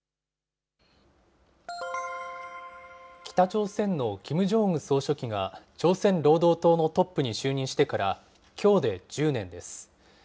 北朝鮮のキム・ジョンウン総書記が、朝鮮労働党のトップに就任してからきょうで１０年です。